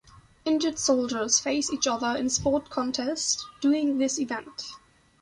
Injured soldiers face each other in sport contest during this event.